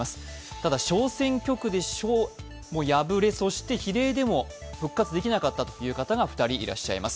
ただ、小選挙区で敗れそして比例でも復活できなかったという方が２人いらっしゃいます。